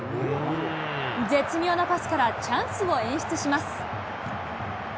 絶妙なパスからチャンスを演出します。